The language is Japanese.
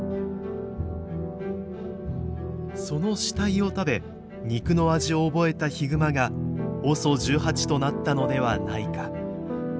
その死体を食べ肉の味を覚えたヒグマがＯＳＯ１８となったのではないか。